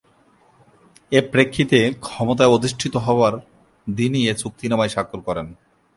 এ প্রেক্ষিতে ক্ষমতায় অধিষ্ঠিত হবার দিনই এ চুক্তিনামায় স্বাক্ষর করেন।